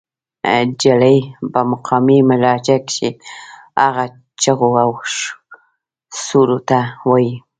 جلۍ پۀ مقامي لهجه کښې هغه چغو او سُورو ته وائي